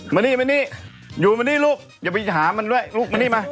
มานี่มานี่อยู่มานี่ลูกอย่าไปหามันด้วยลูกมานี่มา